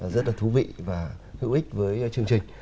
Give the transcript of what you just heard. rất là thú vị và hữu ích với chương trình